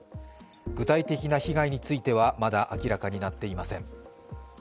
具体的な被害についてはまだ明らかになっていません。